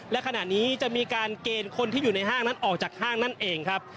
และขณะนี้จะมีการเกณฑ์คนที่อยู่ในห้างนั้นออกจากห้างนั่นเองครับ